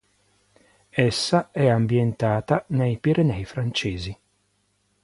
Essa è ambientata nei Pirenei francesi.